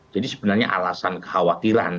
jadi sebenarnya alasan kekhawatiran